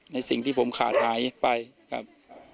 ในสิ่งที่ผมขาดหายไปครับ